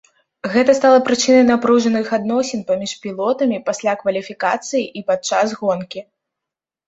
Гэта стала прычынай напружаных адносін паміж пілотамі пасля кваліфікацыі і падчас гонкі.